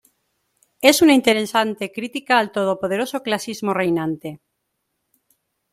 Es una interesante crítica al todopoderoso clasismo reinante.